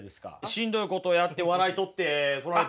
しんどいことをやって笑い取ってこられてますよね。